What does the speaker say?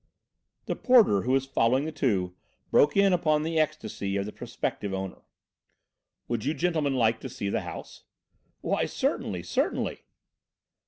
The porter, who was following the two, broke in upon the ecstasy of the prospective owner. "Would you gentlemen like to see the house?" "Why, certainly, certainly."